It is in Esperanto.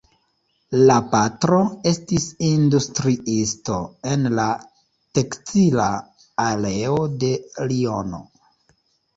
La patro estis industriisto en la tekstila areo de Liono.